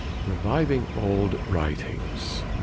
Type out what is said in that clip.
_Reviving old writings.